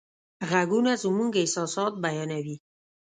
غږونه زموږ احساسات بیانوي.